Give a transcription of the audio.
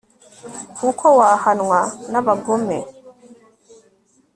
kuko wahwana n'abagome